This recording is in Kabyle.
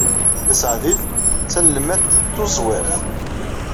Tasaɛdit d tanelmadt tuẓwirt.